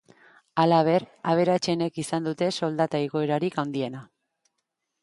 Halaber, aberatsenek izan dute soldata igoerarik handiena.